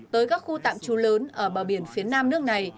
tới các khu tạm trù lớn ở bờ biển phía nam nước này